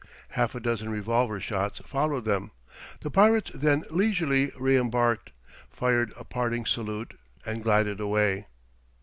Half a dozen revolver shots followed them. The pirates then leisurely reëmbarked, fired a parting salute, and glided away.